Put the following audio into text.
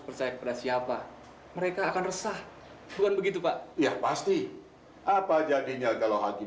percaya kepada siapa mereka akan resah bukan begitu pak ya pasti apa jadinya kalau hakim